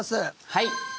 はい。